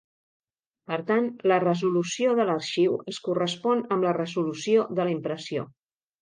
Per tant la resolució de l’arxiu es correspon amb la resolució de la impressió.